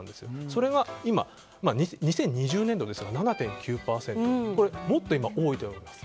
それが今２０２０年度ですが７．９％ともっと今、多いといわれています。